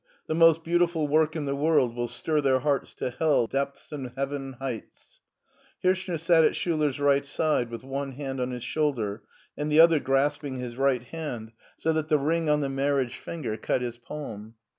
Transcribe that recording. The most beautiful work in the world will stir their hearts to hell depths and heaven heights." Hirchner sat at Schuler's right side with one hand on his shoulder and the other grasping his right hand so that the ring on the marriage finger cut his palm.